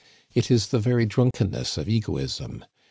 It is the very drunkenness of egoism.